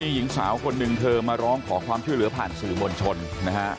หญิงสาวคนหนึ่งเธอมาร้องขอความช่วยเหลือผ่านสื่อมวลชนนะฮะ